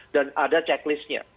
dan ada checklist nya